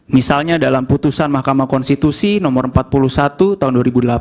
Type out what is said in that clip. misalnya dalam putusan mahkamah konstitusi nomor empat puluh satu tahun dua ribu delapan